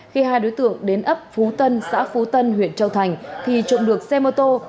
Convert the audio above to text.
khi hai đối tượng đến ấp phú tân xã phú tân huyện châu thành thì trộm được xe mô tô